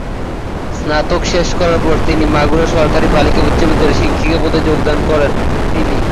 স্নাতক শেষ করার পর তিনি মাগুরা সরকারি বালিকা উচ্চ বিদ্যালয়ে শিক্ষিকা পদে যোগদান করেন তিনি।